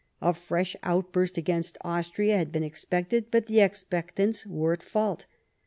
A fresh outburst against Austria had been expected; but the expectants were at fault.